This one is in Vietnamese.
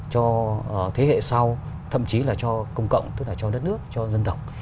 cho thế hệ sau thậm chí là cho công cộng tức là cho đất nước cho dân tộc